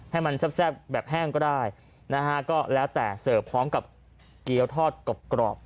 ให้มันแซ่บแบบแห้งก็ได้นะฮะก็แล้วแต่เสิร์ฟพร้อมกับเกี้ยวทอดกรอบกรอบ